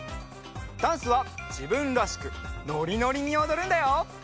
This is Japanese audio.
ダンスはじぶんらしくノリノリにおどるんだよ。